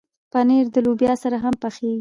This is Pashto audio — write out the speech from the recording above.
پنېر د لوبیا سره هم پخېږي.